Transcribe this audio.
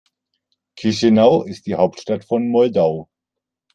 Chișinău ist die Hauptstadt von Moldau.